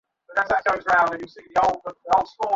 ধুর বাল মানে?